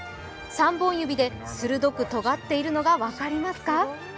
３本指で鋭くとがっているのが分かりますか？